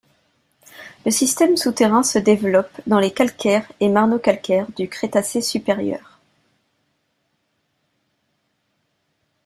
Le système souterrain se développe dans les calcaires et marno-calcaires du Crétacé supérieur.